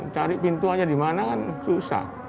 cari pintu aja di mana kan susah